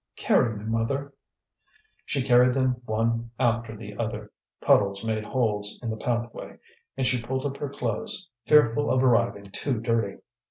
"Carry me, mother." She carried them one after the other. Puddles made holes in the pathway, and she pulled up her clothes, fearful of arriving too dirty.